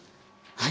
はい。